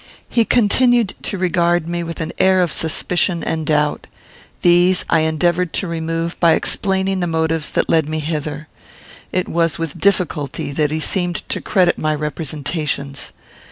He continued to regard me with an air of suspicion and doubt. These I endeavoured to remove by explaining the motives that led me hither. It was with difficulty that he seemed to credit my representations.